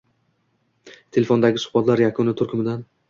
Telefondagi suhbatlar yakuni turkumidan..